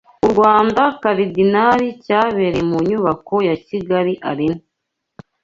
u Rwanda Karidinari cyabereye mu nyubako ya Kigali Arena